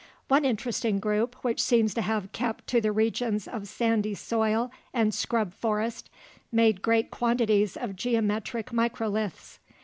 One interesting group, which seems to have kept to the regions of sandy soil and scrub forest, made great quantities of geometric microliths.